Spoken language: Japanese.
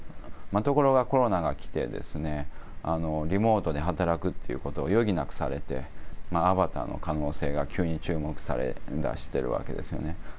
ところが、コロナが来て、リモートで働くということを余儀なくされて、アバターの可能性が急に注目されだししてるわけですよね。